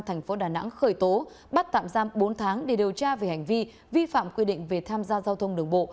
thành phố đà nẵng khởi tố bắt tạm giam bốn tháng để điều tra về hành vi vi phạm quy định về tham gia giao thông đường bộ